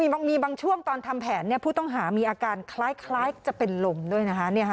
บางมีบางช่วงตอนทำแผนผู้ต้องหามีอาการคล้ายจะเป็นลมด้วยนะคะ